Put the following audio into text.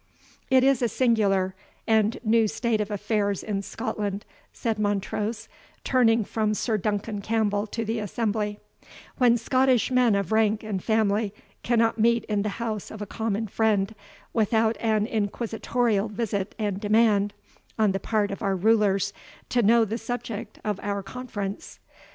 "It is a singular, and new state of affairs in Scotland," said Montrose, turning from Sir Duncan Campbell to the assembly, "when Scottish men of rank and family cannot meet in the house of a common friend without an inquisitorial visit and demand, on the part of our rulers, to know the subject of our conference.